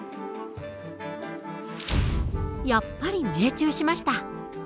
やっぱり命中しました。